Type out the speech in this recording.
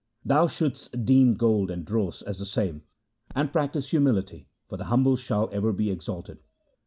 Thou shouldst deem gold and dross as the same, and practise humility for the humble shall ever be exalted.